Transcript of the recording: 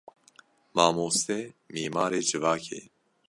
Mamoste mîmarê civakê ye.